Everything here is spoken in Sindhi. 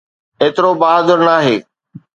ايترو بهادر ناهي.